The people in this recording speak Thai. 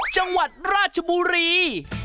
จังหวัดราชบุรี